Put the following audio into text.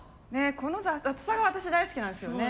この雑さが私大好きなんですよね。